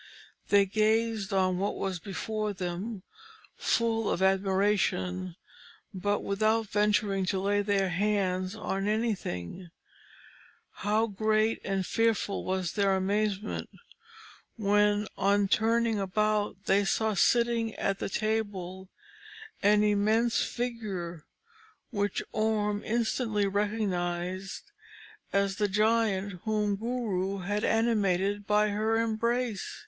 They gazed on what was before them, full of admiration, but without venturing to lay their hands on anything; how great and fearful was their amazement, when, on turning about, they saw sitting at the table an immense figure, which Orm instantly recognised as the Giant whom Guru had animated by her embrace.